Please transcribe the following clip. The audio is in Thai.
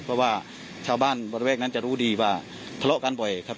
เพราะว่าชาวบ้านบริเวณนั้นจะรู้ดีว่าทะเลาะกันบ่อยครับ